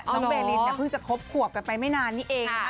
น้องเบลินพึ่งจะครบขวบกันไปไม่นานนี้เอง